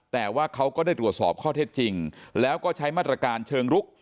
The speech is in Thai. แต่ว่าเขาก็ได้ตรวจสอบข้อเท็จจริงแล้วก็ใช้มาตรการเชิงลุก